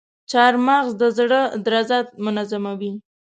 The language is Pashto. چارمغز د زړه درزا منظموي.